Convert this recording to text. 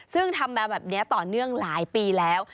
ซึ่งทำมาแบบนี้ต่อเนื่องหลายปีแล้ว